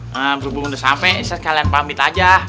berhubung udah sampe ustadz kalian pamit aja